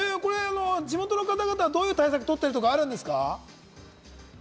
地元の方々はどういう対策をとっているとかあるんですか？